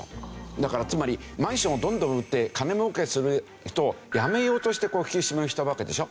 だからつまりマンションをどんどん売って金儲けする人をやめようとしてこの引き締めをしたわけでしょ。